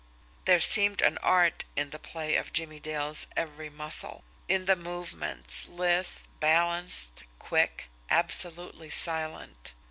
There seemed an art in the play of Jimmie Dale's every muscle; in the movements, lithe, balanced, quick, absolutely silent.